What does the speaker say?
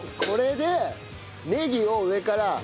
これでネギを上から。